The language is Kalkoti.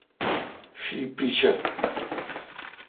شی پیچھہ۔